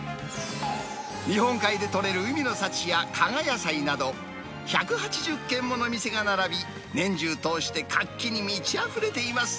日本海で取れる海の幸や加賀野菜など、１８０軒もの店が並び、年中通して活気に満ちあふれています。